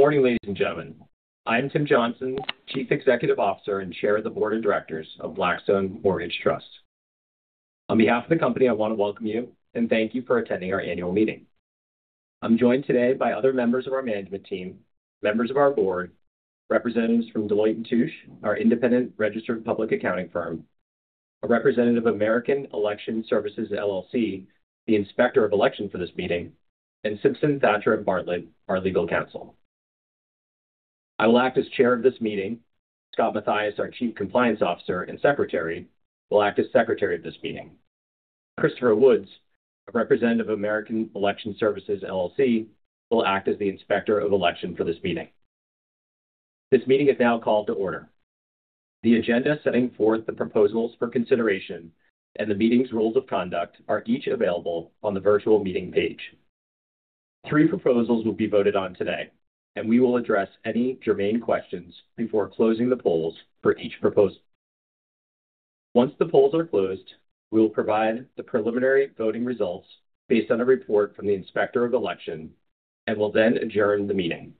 Good morning, ladies and gentlemen. I'm Tim Johnson, Chief Executive Officer and Chair of the Board of Directors of Blackstone Mortgage Trust. On behalf of the company, I want to welcome you and thank you for attending our annual meeting. I'm joined today by other members of our management team, members of our board, representatives from Deloitte & Touche, our independent registered public accounting firm, a representative of American Election Services, LLC, the inspector of election for this meeting, and Simpson Thacher & Bartlett, our legal counsel. I will act as chair of this meeting. Scott Mathias, our Chief Compliance Officer and Secretary, will act as secretary of this meeting. Christopher Woods, a representative of American Election Services, LLC, will act as the inspector of election for this meeting. This meeting is now called to order. The agenda setting forth the proposals for consideration and the meeting's rules of conduct are each available on the virtual meeting page. Three proposals will be voted on today. We will address any germane questions before closing the polls for each proposal. Once the polls are closed, we will provide the preliminary voting results based on a report from the inspector of election and will then adjourn the meeting.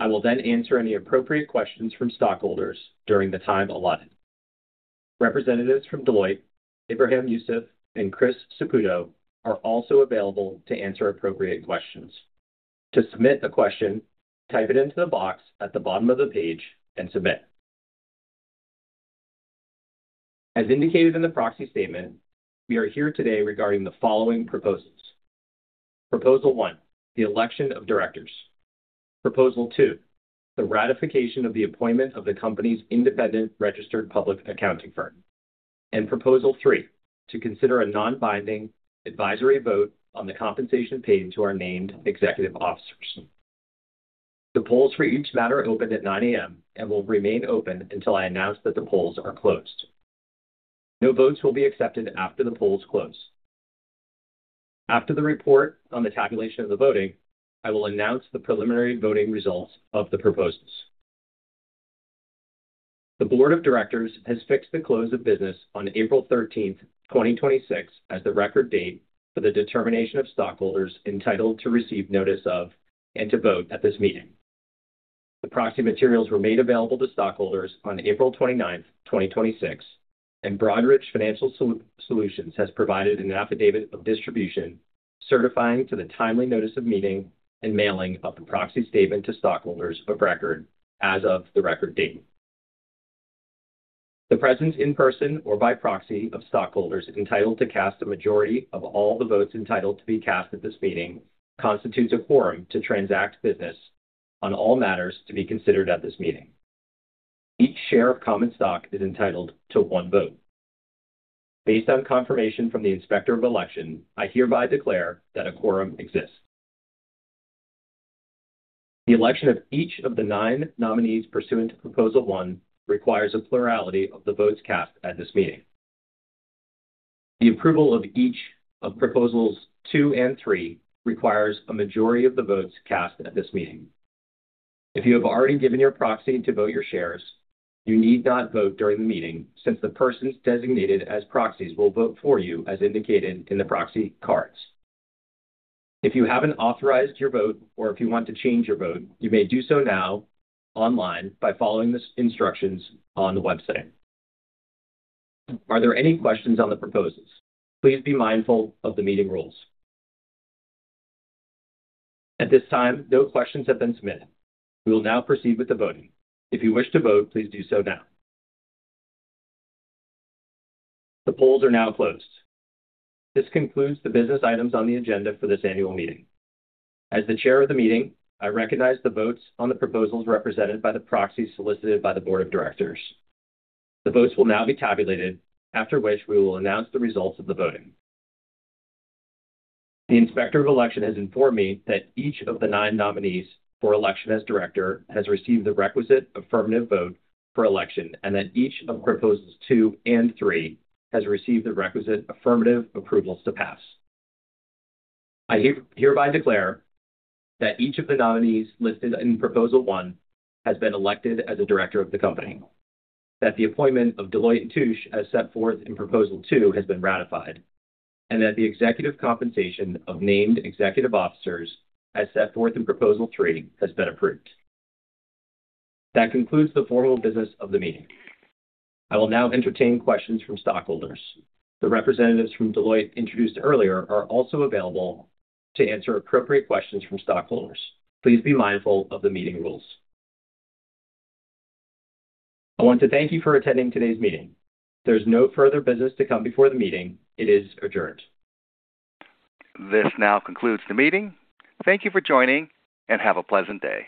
I will then answer any appropriate questions from stockholders during the time allotted. Representatives from Deloitte, Abraham Yusuf, and Chris Saputo are also available to answer appropriate questions. To submit a question, type it into the box at the bottom of the page and submit. As indicated in the proxy statement, we are here today regarding the following proposals. Proposal 1, the election of directors. Proposal 2, the ratification of the appointment of the company's independent registered public accounting firm. Proposal 3, to consider a non-binding advisory vote on the compensation paid to our named executive officers. The polls for each matter opened at 9:00 A.M. and will remain open until I announce that the polls are closed. No votes will be accepted after the polls close. After the report on the tabulation of the voting, I will announce the preliminary voting results of the proposals. The board of directors has fixed the close of business on April 13th, 2026 as the record date for the determination of stockholders entitled to receive notice of and to vote at this meeting. The proxy materials were made available to stockholders on April 29th, 2026. Broadridge Financial Solutions has provided an affidavit of distribution certifying to the timely notice of meeting and mailing of the proxy statement to stockholders of record as of the record date. The presence in person or by proxy of stockholders entitled to cast a majority of all the votes entitled to be cast at this meeting constitutes a quorum to transact business on all matters to be considered at this meeting. Each share of common stock is entitled to one vote. Based on confirmation from the inspector of election, I hereby declare that a quorum exists. The election of each of the nine nominees pursuant to Proposal 1 requires a plurality of the votes cast at this meeting. The approval of each of Proposals 2 and 3 requires a majority of the votes cast at this meeting. If you have already given your proxy to vote your shares, you need not vote during the meeting since the persons designated as proxies will vote for you as indicated in the proxy cards. If you haven't authorized your vote or if you want to change your vote, you may do so now online by following the instructions on the website. Are there any questions on the proposals? Please be mindful of the meeting rules. At this time, no questions have been submitted. We will now proceed with the voting. If you wish to vote, please do so now. The polls are now closed. This concludes the business items on the agenda for this annual meeting. As the chair of the meeting, I recognize the votes on the proposals represented by the proxies solicited by the board of directors. The votes will now be tabulated, after which we will announce the results of the voting. The inspector of election has informed me that each of the nine nominees for election as director has received the requisite affirmative vote for election and that each of proposals two and three has received the requisite affirmative approvals to pass. I hereby declare that each of the nominees listed in proposal one has been elected as a director of the company, that the appointment of Deloitte & Touche as set forth in proposal two has been ratified, and that the executive compensation of named executive officers as set forth in proposal three has been approved. That concludes the formal business of the meeting. I will now entertain questions from stockholders. The representatives from Deloitte introduced earlier are also available to answer appropriate questions from stockholders. Please be mindful of the meeting rules. I want to thank you for attending today's meeting. There's no further business to come before the meeting. It is adjourned. This now concludes the meeting. Thank you for joining, and have a pleasant day.